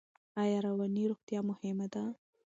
ایا رواني روغتیا مهمه ده؟